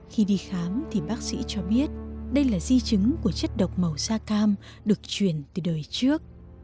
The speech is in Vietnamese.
khi đi khám thì bác sĩ cho biết đây là di chứng của chất độc màu da cam được truyền từ đời trước